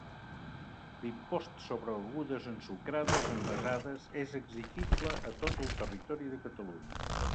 L'impost sobre begudes ensucrades envasades és exigible a tot el territori de Catalunya.